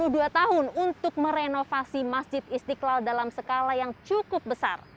butuh empat puluh dua tahun untuk merenovasi masjid istiqlal dalam skala yang cukup besar